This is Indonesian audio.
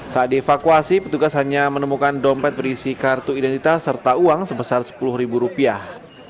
saat dievakuasi petugas hanya menemukan dompet berisi kartu identitas serta uang sebesar sepuluh ribu rupiah